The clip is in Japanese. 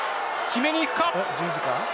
決めに行くか。